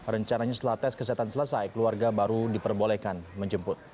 rencananya setelah tes kesehatan selesai keluarga baru diperbolehkan menjemput